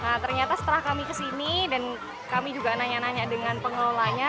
nah ternyata setelah kami kesini dan kami juga nanya nanya dengan pengelolanya